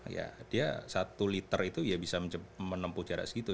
ya dia satu liter itu ya bisa menempuh jarak segitu